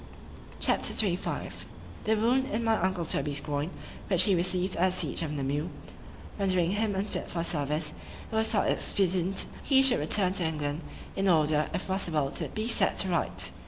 C H A P. XXV THE wound in my uncle Toby's groin, which he received at the siege of Namur, rendering him unfit for the service, it was thought expedient he should return to England, in order, if possible, to be set to rights.